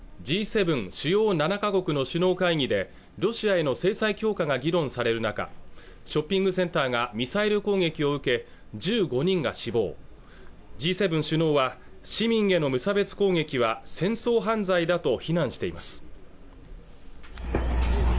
Ｇ７＝主要７か国の首脳会議でロシアへの制裁強化が議論される中ショッピングセンターがミサイル攻撃を受け１５人が死亡Ｇ７首脳は市民への無差別攻撃は戦争犯罪だと非難しています